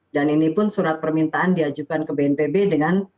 dan ini pun surat permintaan diajukan ke bnpb dengan